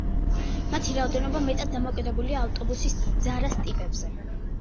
მათი რაოდენობა, მეტად დამოკიდებულია ავტობუსის ძარას ტიპზე.